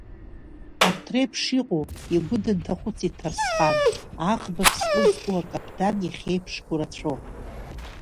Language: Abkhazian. Арҭ реиԥш иҟоу, игәы дынҭахәыцит Ҭарсхан, аӷба аԥсҟы зку акаԥдан иахьеиԥшқәоу рацәоуп.